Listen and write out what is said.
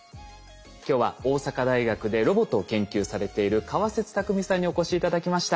今日は大阪大学でロボットを研究されている川節拓実さんにお越し頂きました。